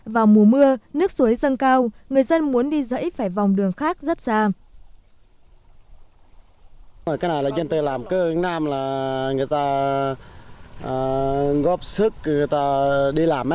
vào mùa mưa nước suối dâng cao người dân muốn đi dãy phải vòng đường khác rất xa